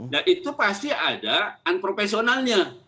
dan itu pasti ada unprofesionalnya